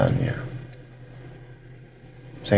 saya gak berhak untuk membela diri